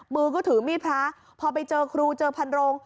มือก็ถือมีดพระพอไปเจอครูเจอพันโรง